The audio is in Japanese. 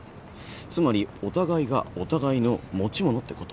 つまりお互いがお互いの持ち物ってこと。